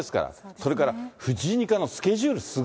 それから藤井二冠のスケジュール